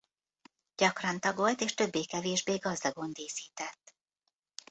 Gyakran tagolt és többé-kevésbé gazdagon díszített.